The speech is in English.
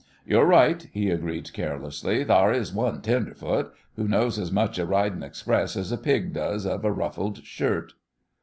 "Yo're right," he agreed, carelessly, "thar is one tenderfoot, who knows as much of ridin' express as a pig does of a ruffled shirt."